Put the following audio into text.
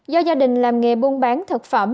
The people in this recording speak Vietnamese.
do gia đình làm nghề buôn bán thực phẩm